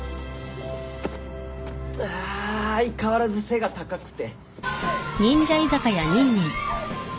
あ相変わらず背が高くて。